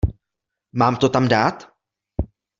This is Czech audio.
Mám to tam dát?